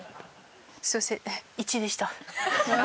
すいません１位でした。